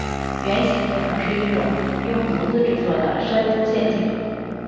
原型可能是一种用竹子制作的山猪陷阱。